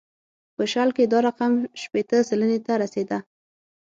په شل کې دا رقم شپېته سلنې ته رسېده.